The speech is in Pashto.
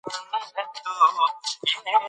موږ د ټولنیز نظام یوه برخه یو.